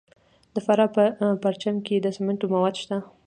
د فراه په پرچمن کې د سمنټو مواد شته.